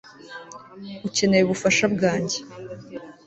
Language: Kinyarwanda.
ukeneye ubufasha bwanjye